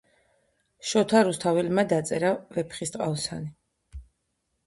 შოთა რუსთაველმა დაწერა ვეფხისტყაოსანი